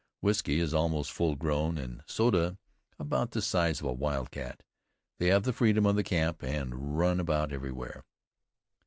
Whiskey is almost full grown, and Soda about the size of a wild cat. They have the freedom of the camp and run about everywhere.